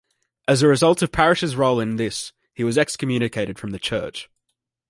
As a result of Parrish's role in this, he was excommunicated from the church.